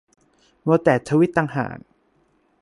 มัวแต่ทวีตต่างหาก